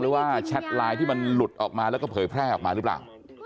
แชทไลน์ที่มันหลุดออกมาแล้วก็เผยแพร่ออกมาหรือเปล่า